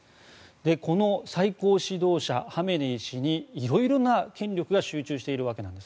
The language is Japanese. この最高指導者ハメネイ師に色々な権力が集中しているわけです。